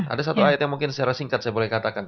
ada satu ayat yang mungkin secara singkat saya boleh katakan